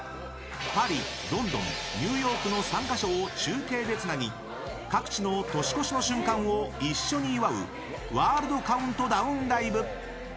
パリ、ロンドン、ニューヨークの３か所を中継でつなぎ各地の年越しの瞬間を一緒に祝うワールドカウントダウンＬＩＶＥ！